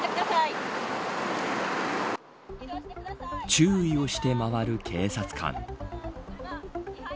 注意をして回る警察官。